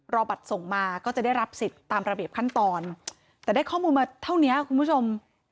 บัตรส่งมาก็จะได้รับสิทธิ์ตามระเบียบขั้นตอนแต่ได้ข้อมูลมาเท่านี้คุณผู้ชม